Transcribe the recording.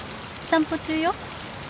散歩中よ。